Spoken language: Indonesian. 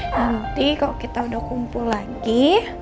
nanti kalau kita udah kumpul lagi